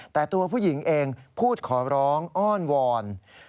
แต่ตัวผู้หญิงเองพูดขอร้องอ้อนวอน